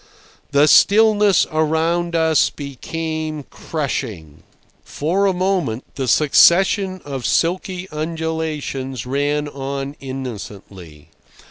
The stillness around us became crushing. For a moment the succession of silky undulations ran on innocently.